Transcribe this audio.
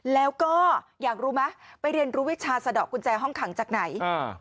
แล้วก็อยากรู้มั้ยไปเรียนรู้วิชาเสด็อกกุญแจห้องขังจังไหน